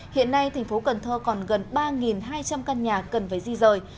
hiện nay thành phố cần thơ còn gần ba hai trăm linh căn nhà cần phải di rời